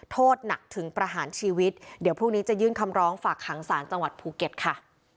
โทษหนักถึงประหารชีวิตเดี๋ยวพรุ่งนี้จะยื่นคำร้องฝากขังศาลจังหวัดภูเก็ตค่ะ